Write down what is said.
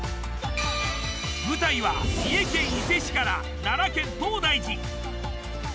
舞台は三重県伊勢市から奈良県東大寺。